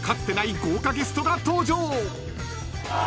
豪華ゲストが登場］